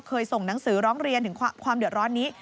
ส่งหนังสือร้องเรียนถึงความเดือดร้อนนี้